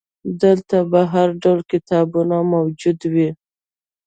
دلته به هرډول کتابونه موجود وي.